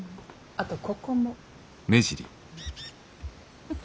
あとここも。